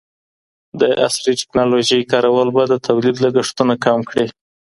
د عصري ټیکنالوژۍ کارول به د تولید لګښتونه کم کړي.